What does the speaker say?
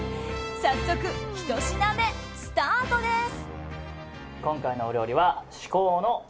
早速、ひと品目スタートです。